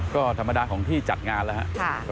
ก็ธรรมดาของที่จัดงานแล้วครับ